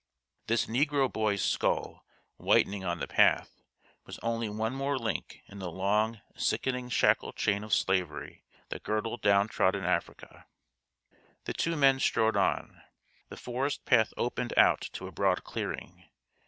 This negro boy's skull, whitening on the path, was only one more link in the long, sickening shackle chain of slavery that girdled down trodden Africa. The two men strode on. The forest path opened out to a broad clearing.